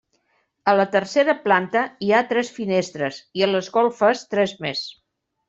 A la tercera planta hi ha tres finestres i a les golfes tres més.